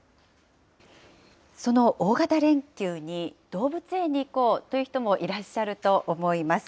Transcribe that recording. その大型連休に動物園に行こうという人もいらっしゃると思います。